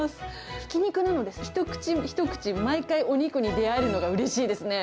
ひき肉なので一口一口、毎回、お肉に出会えるのがうれしいです